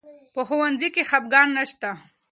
په ښوونځي کې خفګان نه شته.